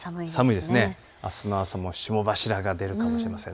あすの朝も霜柱が出るかもしれません。